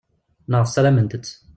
Neɣ ssarament-tt.